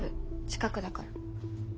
近くだから。